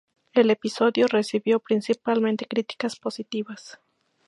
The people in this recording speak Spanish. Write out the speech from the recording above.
El episodio recibió principalmente críticas positivas.